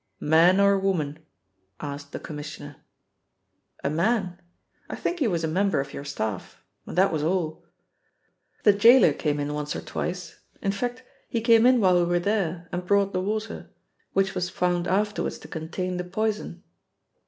"Man or woman?" asked the Commissioner. "A man. I think he was a member of your staff. And that was all. The jailer came in once or twice; in fact he came in while we were there, and brought the water, which was found afterwards to contain the poison."